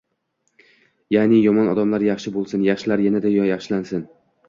Yaʼni, yomon odamlar yaxshi boʻlsin, yaxshilari yanada yaxshilansin